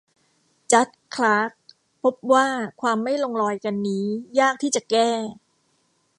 จัดจ์ คลาร์กพบว่าความไม่ลงรอยกันนี้ยากที่จะแก้